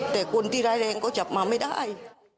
แต่คนที่ร้ายแรงก็จับมาไม่ได้